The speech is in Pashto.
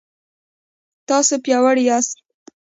تاسو پیاوړي یاست